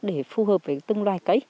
để phù hợp với từng loài cây